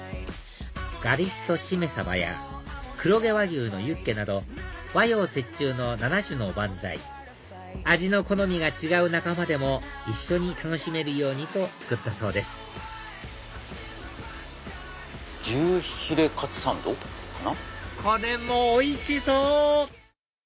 ガリしそシメサバや黒毛和牛のユッケなど和洋折衷の７種のお番菜味の好みが違う仲間でも一緒に楽しめるようにと作ったそうです牛ヒレかつサンドかな？